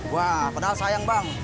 wah kenal sayang bang